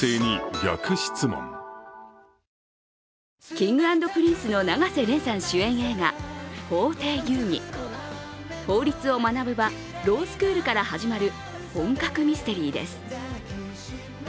Ｋｉｎｇ＆Ｐｒｉｎｃｅの永瀬廉さん主演映画「法廷遊戯」法律を学ぶ場、ロースクールから始まる本格ミステリーです。